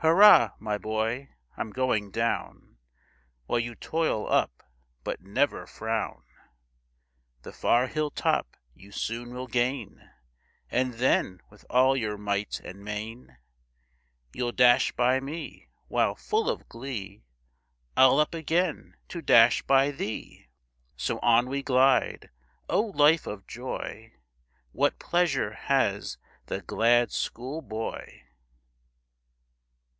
Hurra! my boy! I'm going down, While you toil up; but never frown; The far hill top you soon will gain, And then, with all your might and main, You'll dash by me; while, full of glee, I'll up again to dash by thee! So on we glide O, life of joy; What pleasure has the glad school boy!